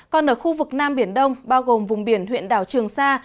còn ở khu vực nam biển đông bao gồm vùng biển huyện đảo trường sa